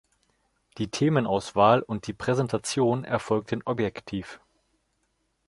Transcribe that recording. Die Themenauswahl und die Präsentation erfolgten objektiv.